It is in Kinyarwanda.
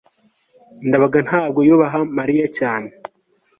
ndabaga ntabwo yubaha mariya cyane